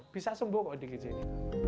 bisa sembuh kok dikit ini